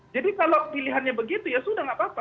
jadi kalau pilihannya begitu ya sudah nggak apa apa